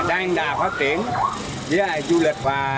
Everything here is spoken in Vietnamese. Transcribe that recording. đang đà phát triển với du lịch và